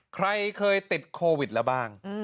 ใครเคยติดโควิดแล้วบ้าง